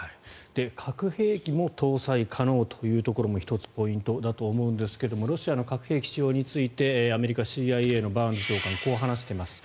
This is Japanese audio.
核兵器も搭載可能というところも１つ、ポイントだと思いますがロシアの核兵器使用についてアメリカＣＩＡのバーンズ長官こう話しています。